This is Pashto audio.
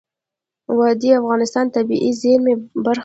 وادي د افغانستان د طبیعي زیرمو برخه ده.